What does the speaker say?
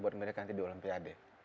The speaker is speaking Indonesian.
buat mereka di olimpiade